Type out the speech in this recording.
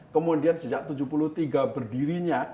kemudian sejak tujuh puluh tiga berdirinya